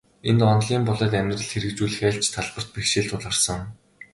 Энд, онолын болоод амьдралд хэрэгжүүлэх аль ч талбарт бэрхшээл тулгарсан.